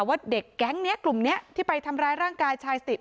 ว่าเด็กแก๊งนี้กลุ่มนี้ที่ไปทำร้ายร่างกายชายสติ